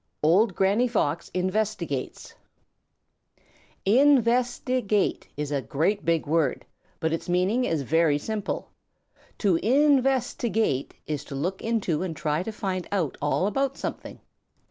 XV OLD GRANNY FOX INVESTIGATES In vest i gate is a great big word, but its meaning is very simple. To in vest i gate is to look into and try to find out all about something.